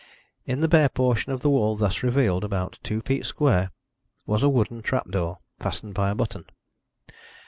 In the bare portion of the wall thus revealed, about two feet square, was a wooden trap door, fastened by a button.